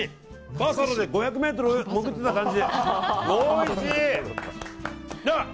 バサロで５００ｍ潜ってた感じ。